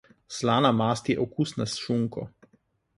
Slana mast je okusna s šunko.